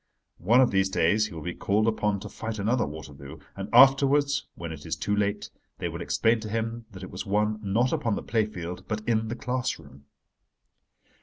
One of these days he will be called upon to fight another Waterloo: and afterwards—when it is too late—they will explain to him that it was won not upon the play field but in the class room.